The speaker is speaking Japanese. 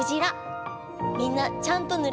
みんなちゃんとぬれた？